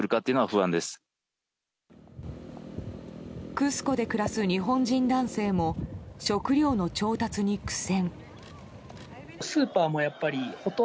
クスコで暮らす日本人男性も食料の調達に苦戦。